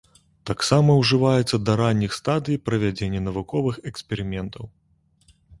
Таксама ўжываецца да ранніх стадый правядзення навуковых эксперыментаў.